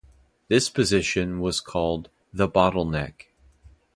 This position was called "the bottleneck".